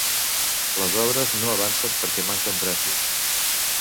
Les obres no avancen perquè manquen braços.